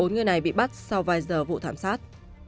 bốn người này bị bắt sau vài giờ vụ thảm sát